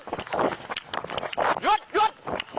หยุดหยุด